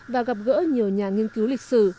và gặp gỡ nhiều nhà nghiên cứu